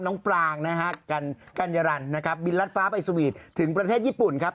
ปรางนะฮะกัญญารันนะครับบินรัดฟ้าไปสวีทถึงประเทศญี่ปุ่นครับ